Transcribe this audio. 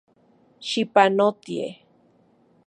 Xipanotie.